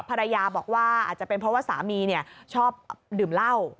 ภรรยาบอกว่าอาจจะเป็นเพราะว่าสามีชอบดื่มเหล้า